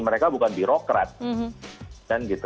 mereka bukan birokrat